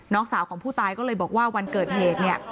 น้องสาวของผู้ตายก็เลยบอกว่าวันเกิดเหตุเนี่ย